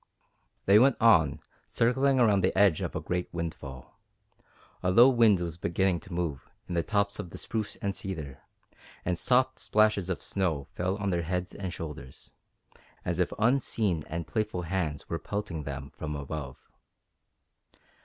They went on, circling around the edge of a great windfall. A low wind was beginning to move in the tops of the spruce and cedar, and soft splashes of snow fell on their heads and shoulders, as if unseen and playful hands were pelting them from above.